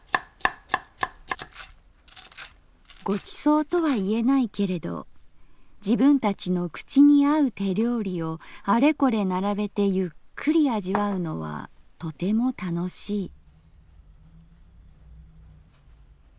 「ご馳走とは言えないけれど自分たちの口にあう手料理をあれこれ並べてゆっくり味わうのはとても楽しい」。